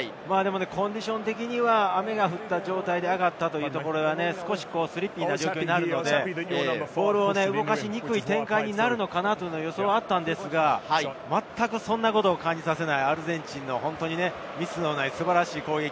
コンディション的には雨が降った状態であがったというところで、スリッピーな状況になるので、ボールを動かしにくい展開になるのかなという予想があったのですが、全くそんなことを感じさせない、アルゼンチンのミスのない素晴らしい攻撃。